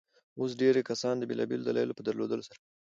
اوس ډېرى کسان د بېلابيلو دلايلو په درلودلو سره.